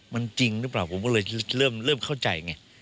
มันจริงหรือเปล่าผมก็เลยเริ่มเข้าใจไง